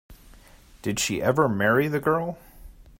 Did she ever marry the girl?